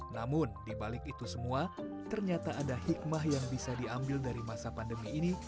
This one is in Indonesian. namun dibalik itu semua ternyata ada hikmah yang bisa diambil dari masa pandemi ini